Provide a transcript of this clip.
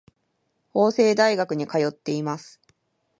法政大学に通っています。